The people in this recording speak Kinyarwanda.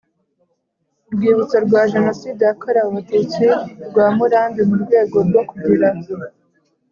rwibutso rwa Jenoside yakorewe Abatutsi rwa Murambi mu rwego rwo kugira